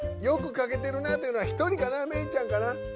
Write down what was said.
よくかけてるなというのは１人かなメイちゃんかな。